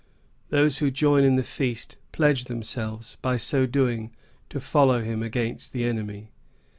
Those who join in the feast pledge themselves, by so doing, to follow him against the enemy.